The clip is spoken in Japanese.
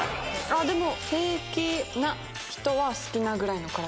でも平気な人は好きなぐらいの辛さかも。